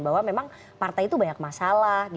bahwa memang partai itu banyak masalah